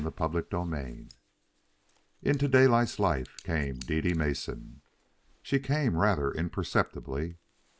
CHAPTER VI Into Daylight's life came Dede Mason. She came rather imperceptibly.